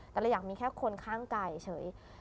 แต่เราอยากมีแค่คนข้างกายเฉย